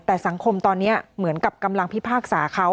แต่สังคมตอนนี้เหมือนกับกำลังพิพากษาเขา